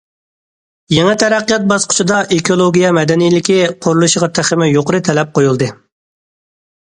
يېڭى تەرەققىيات باسقۇچىدا ئېكولوگىيە مەدەنىيلىكى قۇرۇلۇشىغا تېخىمۇ يۇقىرى تەلەپ قويۇلدى.